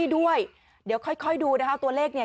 ด้วยเดี๋ยวค่อยดูนะคะตัวเลขเนี่ย